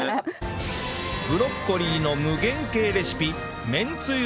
ブロッコリーの無限系レシピ